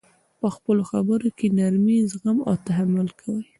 په خپلو خبر کي نرمي، زغم او تحمل کوئ!